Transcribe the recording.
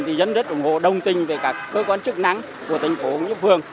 thì dân rất ủng hộ đồng tình với các cơ quan chức năng của tp hcm